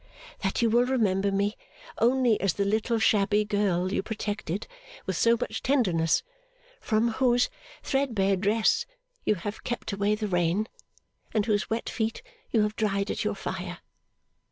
That you will remember me only as the little shabby girl you protected with so much tenderness, from whose threadbare dress you have kept away the rain, and whose wet feet you have dried at your fire.